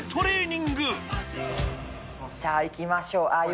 じゃあ、いきましょう。